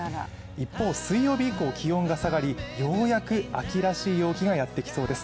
一方、水曜日以降、気温が下がり、ようやく秋らしい陽気がやってきそうです。